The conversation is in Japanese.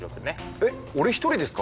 えっ俺一人ですか？